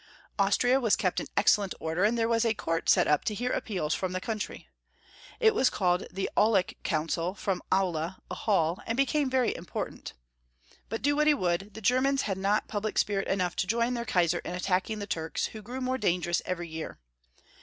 Austria was kept in excellent order, and there was a court set up to hear appeals from the countiy. It was called the Aulic Council, from Aula, a hall, and became very important. But do what he would, the Germans had not public spirit enough to join their Kaisar in attacking the Turks, who grew more dangerous every year.